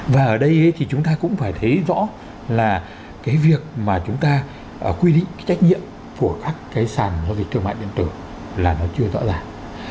và ở đây thì chúng ta cũng phải thấy rõ là cái việc mà chúng ta quy định cái trách nhiệm của các cái sàn giao dịch thương mại điện tử là nó chưa rõ ràng